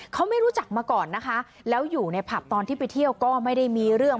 เขาไม่รู้จักมาก่อนนะคะแล้วอยู่ในผับตอนที่ไปเที่ยวก็ไม่ได้มีเรื่อง